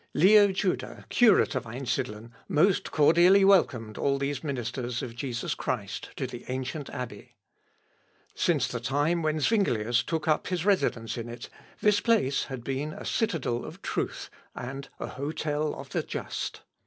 Leo Juda, curate of Einsidlen, most cordially welcomed all these ministers of Jesus Christ to the ancient abbey. Since the time when Zuinglius took up his residence in it, this place had been a citadel of truth, and a hotel of the just.